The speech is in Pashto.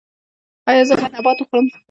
ایا زه باید نبات وخورم؟